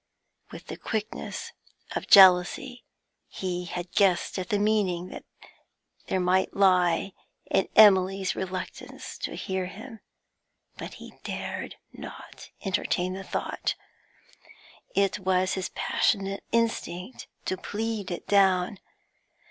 With the quickness of jealousy, he had guessed at the meaning there might lie in Emily's reluctance to hear him, but he dared not entertain the thought; it was his passionate instinct to plead it down.